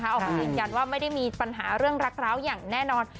ออกมายืนยันว่าไม่ได้มีปัญหาเรื่องรักร้าวอย่างแน่นอน